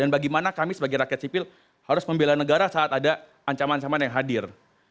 dan bagaimana kami sebagai rakyat sipil harus membela negara saat ada ancaman ancaman yang hadir